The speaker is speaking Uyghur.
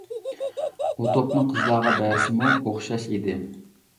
ئۇ توپنى قىزلارغا بەرسىمۇ ئوخشاش ئىدى.